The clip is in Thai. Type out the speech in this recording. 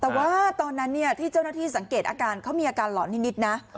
แต่ว่าตอนนั้นที่เจ้าหน้าที่สังเกตอาการเขามีอาการหลอนนิดนะ